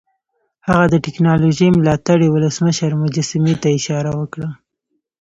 هغه د ټیکنالوژۍ ملاتړي ولسمشر مجسمې ته اشاره وکړه